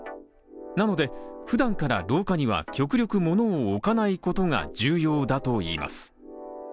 なので、ふだんから廊下には極力物を置かないことが重要だといいます。